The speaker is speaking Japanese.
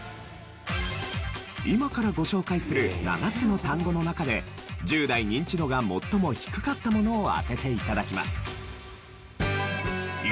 今からご紹介する７つの単語の中で１０代ニンチドが最も低かったものを当てて頂きます。